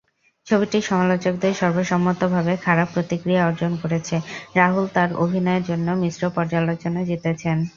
ছবিটি সমালোচকদের সর্বসম্মতভাবে খারাপ প্রতিক্রিয়া অর্জন করেছে, রাহুল তার অভিনয়ের জন্য মিশ্র পর্যালোচনা জিতেছেন।